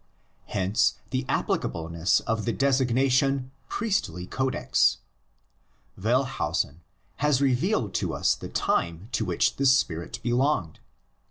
Hence the applicableness of the designation "Priestly Codex." Wellhausen has revealed to us the time to which this spirit belonged.